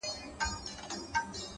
او د خپل زړه په تصور كي مي’